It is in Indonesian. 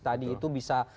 tadi itu bisa